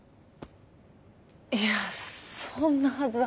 いやそんなはずは。